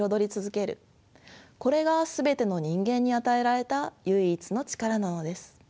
これが全ての人間に与えられた唯一の力なのです。